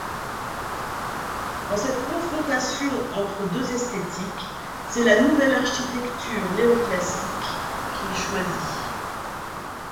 Dans cette confrontation entre deux esthétiques, c'est la nouvelle architecture néoclassique qui est choisie.